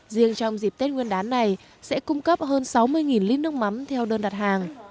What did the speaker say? riêng trong dịp tết nguyên đán này sẽ cung cấp hơn sáu mươi lít nước mắm theo đơn đặt hàng